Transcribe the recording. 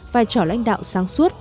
vai trò lãnh đạo sáng suốt